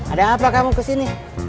ada apa kamu kesini